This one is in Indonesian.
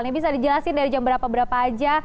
ini bisa dijelasin dari jam berapa berapa aja